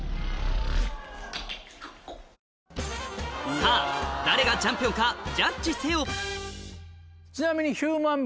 さぁ誰がチャンピオンかジャッジせよちなみに。